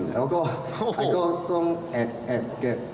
แล้วก็ต้องแอดเก็บ